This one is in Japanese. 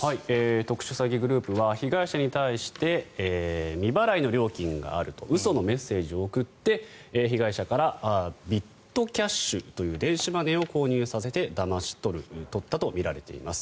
特殊詐欺グループは被害者に対して未払いの料金があると嘘のメッセージを送って被害者からビットキャッシュという電子マネーを購入させてだまし取ったとみられています。